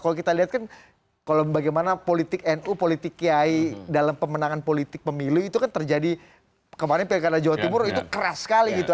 kalau kita lihat kan kalau bagaimana politik nu politik kiai dalam pemenangan politik pemilu itu kan terjadi kemarin pilkada jawa timur itu keras sekali gitu